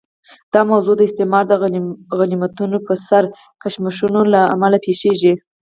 دا موضوع د استعمار د غنیمتونو پر سر کشمکشونو له امله پېښه شي.